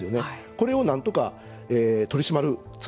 これをなんとか取り締まる。